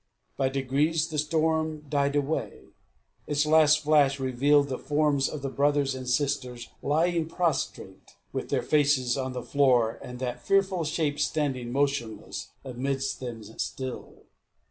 By degrees, the storm died away. Its last flash revealed the forms of the brothers and sisters lying prostrate, with their faces on the floor, and that fearful shape standing motionless amidst them still.